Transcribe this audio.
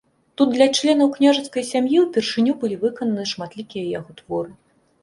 Тут для членаў княжацкай сям'і ўпершыню былі выкананы шматлікія яго творы.